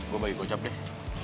gue bagi gocap deh